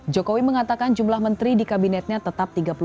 jokowi mengatakan jumlah menteri di kabinetnya tetap tiga puluh